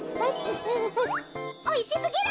おいしすぎる。